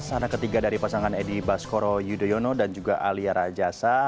anak ketiga dari pasangan edi baskoro yudhoyono dan juga alia rajasa